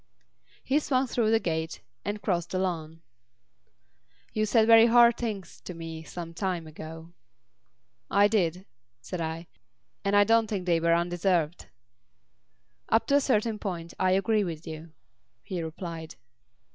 He swung through the gate and crossed the lawn. "You said very hard things to me some time ago." "I did," said I, "and I don't think they were undeserved." "Up to a certain point I agree with you," he replied.